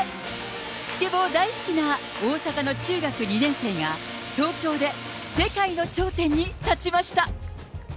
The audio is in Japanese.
スケボー大好きな大阪の中学２年生が、東京で世界の頂点に立ちました。